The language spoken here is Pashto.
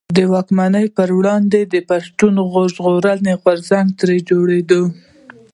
د واکمنو پر وړاندي يې د پښتون ژغورني غورځنګ تر جوړېدو.